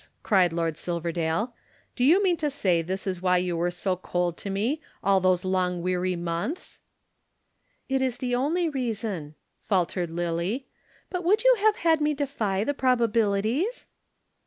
cried Lord Silverdale, "do you mean to say this is why you were so cold to me all those long weary months?" "It is the only reason," faltered Lillie. "But would you have had me defy the probabilities?"